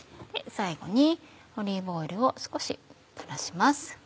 最後にオリーブオイルを少し垂らします。